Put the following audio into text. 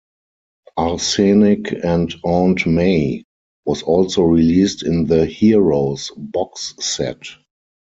"Arsenic And Aunt May" was also released in the "Heroes" box set.